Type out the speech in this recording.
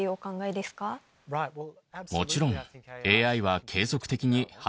もちろん。